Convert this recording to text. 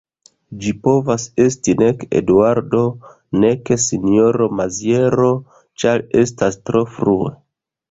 Ĝi povas esti nek Eduardo nek sinjoro Maziero; ĉar estas tro frue.